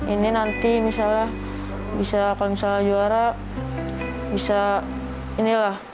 ini nanti misalnya bisa kalau misalnya juara bisa inilah